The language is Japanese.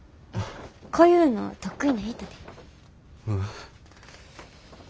こういうの得意な人で。